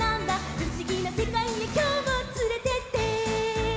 「ふしぎなせかいへきょうもつれてって！」